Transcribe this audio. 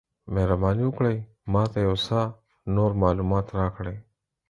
مهرباني وکړئ ما ته یو څه نور معلومات راکړئ؟